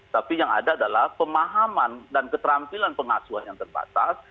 tapi yang ada adalah pemahaman dan keterampilan pengasuhan yang terbatas